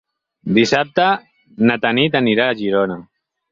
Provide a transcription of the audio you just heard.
Dissabte na Tanit anirà a Girona.